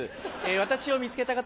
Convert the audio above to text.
私を見つけた方